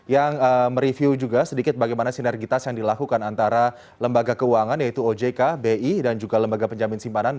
yang mereview juga sedikit bagaimana sinergitas yang dilakukan antara lembaga keuangan yaitu ojk bi dan juga lembaga penjamin simpanan